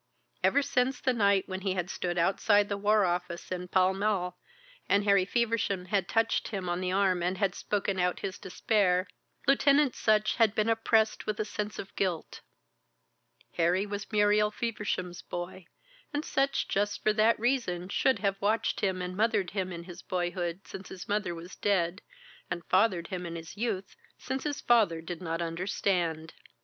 Ever since the night when he had stood outside the War Office in Pall Mall, and Harry Feversham had touched him on the arm and had spoken out his despair, Lieutenant Sutch had been oppressed with a sense of guilt. Harry was Muriel Feversham's boy, and Sutch just for that reason should have watched him and mothered him in his boyhood since his mother was dead, and fathered him in his youth since his father did not understand.